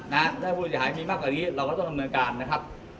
ถ้าผู้เสียหายมีมากกว่านี้เราก็ต้องดำเนินการนะครับ